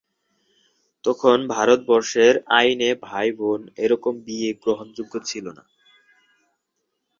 তখন ভারতবর্ষের আইনে ভাই-বোনে এরকম বিয়ে গ্রহণযোগ্য ছিল না।